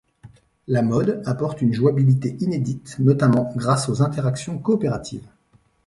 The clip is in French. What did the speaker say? Le mode apporte une jouabilité inédite, notamment grâce aux interactions coopératives.